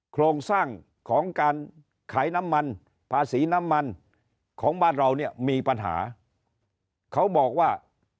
โครงสร้างของการขายน้ำมันภาษีน้ำมันของบ้านเราเนี่ยมีปัญหาเขาบอกว่า